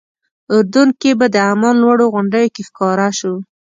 اردن کې به د عمان لوړو غونډیو کې ښکاره شو.